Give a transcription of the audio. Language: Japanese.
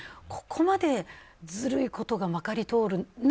ここまでずるいことがまかり通る。